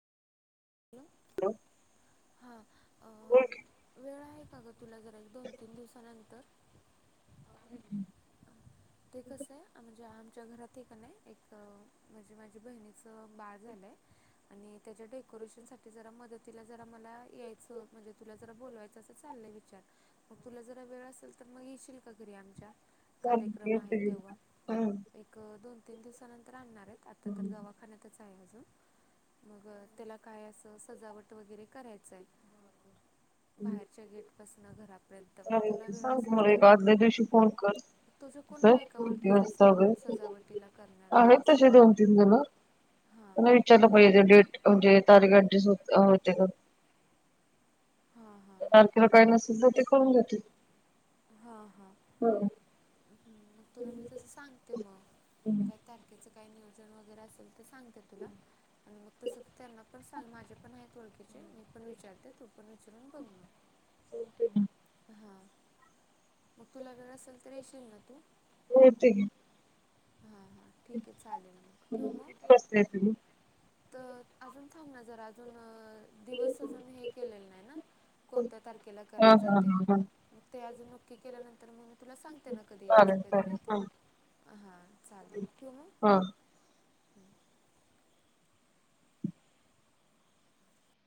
Hello.. हा अ ठीक आहे वेळ आहे? का ग तुला जरा.. दोन तीन दिवसानंतर. [unintelligible] ते कस हाय? म्हणजे आमच्या घरात एकनाय एक म्हणजे माझी बहिणीच बाळ झालंय आणि त्याच्या. कोरेशन साठी जरा मदतीला जरा मला यायचं म्हणजे तुला जरा बोलवायचं अस चाललंय विचार. मग तुला जरा वेळ असेल तर मग येशील का घरी आमच्या? चालेल कार्यक्रम आहे येते मी. तेव्हा, हम्म एक दोन तीन दिवसानंतर आणणार आहेत आता तर दवाखान्यातच आहे अजून. मग त्यला. काय असं सजावट वैगेरे करायचय. घरापर्यंत मग तुला चालेल वेळ सांग की मला असेल की तर एक आदल्या दिवशी फोन कर तुझं कोण आहे का किती ओळखीचं असं वाजता कोण वैगेरे. सजावटीला करणारं आहेत असं तसे दोन तीन जण हां मला विचारलं पाहिजे डेट म्हणजे. [unintelligible] हां हां तारखेला काही नसेल तर ते करून घेतील, हो. ह्म्म.. तुला मी तसं सांगते मग काय तारखेच. काय नियोजन वगैरे असेल ते सांगते तुला आणि मग तस त त्यांना पण सांग माझ्या पण आहेत व ओळख्याचे मी पण विचारते तू पण विचारून बघ म होते ना. मग तुला वेळ असेल तर.. येशील ना तू? हो ते ही. ठीके चालेल मग.. ठेऊ म? किती वाजता येते मी तर अजून थांब ना जरा अजून दिवस अजून हे केले नाही ना कोणत्या तारखेला हा करायच आहे हा ते? हा हा ते अजून की केल्या नंतर म तुला सांगते ना कधी यायचं चालेल कधी चालेल नाही ते हा हा. चालेल ठेऊ म? हा